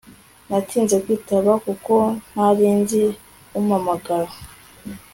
natinze kwitaba kuko ntarinzi umpamagara